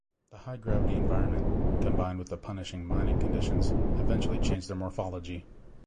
The high gravity environment, combined with the punishing mining conditions eventually changed their morphology.